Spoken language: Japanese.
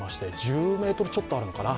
１０ｍちょっとあるのかな。